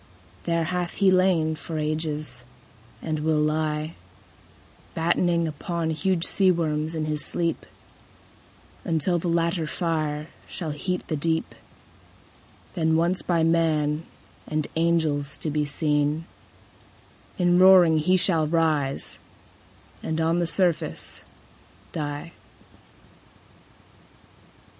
There hath he lain for ages, and will lie Battening upon huge sea worms in his sleep, Until the latter fire shall heat the deep; Then once by man and angels to be seen, In roaring he shall rise and on the surface die.